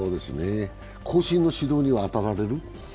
後進の指導には当たられる？